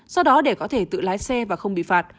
sau đó để có thể tự lái xe và không bị phạt